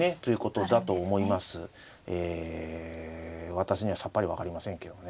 私にはさっぱり分かりませんけどね。